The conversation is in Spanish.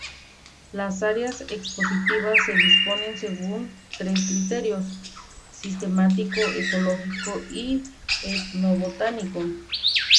Las áreas expositivas se disponen según tres criterios; Sistemático, ecológico y etnobotánico.